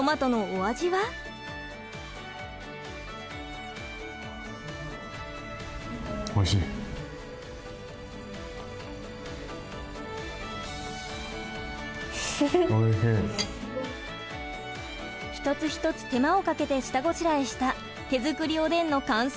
一つ一つ手間をかけて下ごしらえした手作りおでんの感想は？